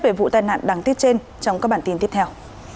về vụ tai nạn đáng tiếc trên trong các bản tin tiếp theo